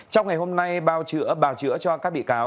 trong ngày hôm nay bào chữa cho các bị cáo